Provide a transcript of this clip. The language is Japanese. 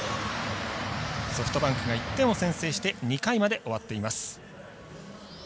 ソフトバンクが１点を先制して２回まで終わっています。